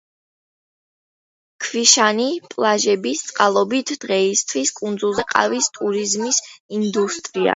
ქვიშიანი პლაჟების წყალობით დღეისათვის კუნძულზე ყვავის ტურიზმის ინდუსტრია.